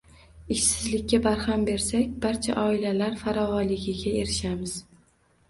Ishsizlikka barham bersak, barcha oilalar farovonligiga erishamiz